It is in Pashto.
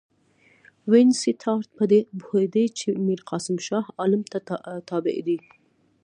وینسیټارټ په دې پوهېدی چې میرقاسم شاه عالم ته تابع دی.